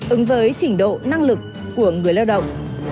ứng với trình độ năng lực của người lao động